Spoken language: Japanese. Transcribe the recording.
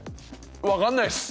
分かんないっす。